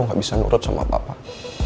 aku gak bisa nurut sama bapak